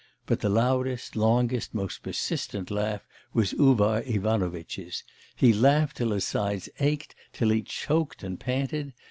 But the loudest, longest, most persistent laugh was Uvar Ivanovitch's; he laughed till his sides ached, till he choked and panted.